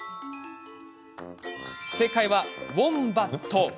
正解は、ウオンバット。